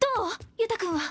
由太君は。